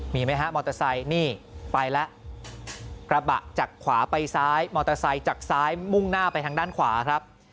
มีไหมฮะมอเตอร์ไซค์นี่ไปแล้วกระบะจากขวาไปซ้ายมอเตอร์ไซค์จากซ้ายมุ่งหน้าไปทางด้านขวาครับ